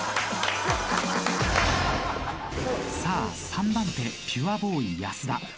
さあ３番手ピュアボーイ安田。